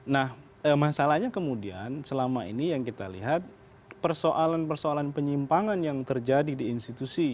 nah masalahnya kemudian selama ini yang kita lihat persoalan persoalan penyimpangan yang terjadi di institusi